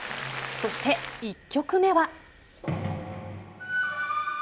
そして１曲目は。